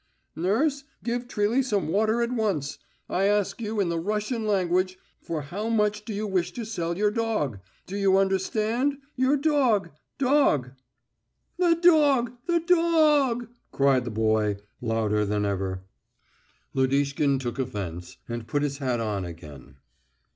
"Nurse, give Trilly some water at once! I ask you, in the Russian language, for how much do you wish to sell your dog? Do you understand your dog, dog?..." "The dog! The do og!" cried the boy, louder than ever. Lodishkin took offence, and put his hat on again.